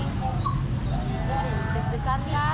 udah dekat kah